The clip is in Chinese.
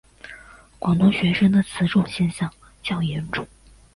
广东学生的此种现象较严重。